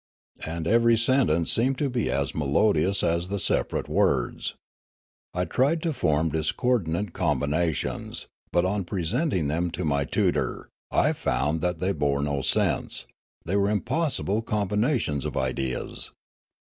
And every sen tence seemed to be as melodious as the separate words. I tried to form discordant combinations, but, on pre senting them to my tutor, I found that they bore no sense ; they were impossible combinations of ideas.